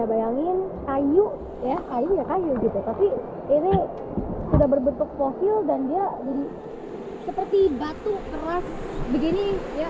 bayangin kayu tapi ini sudah berbentuk fosil dan dia seperti batu keras begini